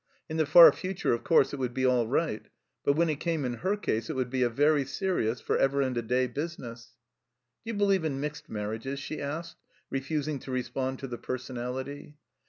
In the far future, of course, it would be all right, but when it came in her case it would be a very serious, for ever and a day business. "Do you believe in mixed marriages ?" she asked, refusing to respond to the personality.